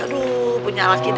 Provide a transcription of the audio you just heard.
aduh punya laki deboh